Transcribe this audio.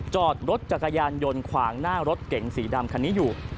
จอดรถจักรยานยนต์ขวางหน้ารถเก๋งสีดำคันนี้อยู่